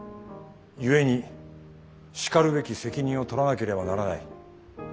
故にしかるべき責任を取らなければならない。